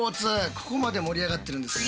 ここまで盛り上がってるんですね。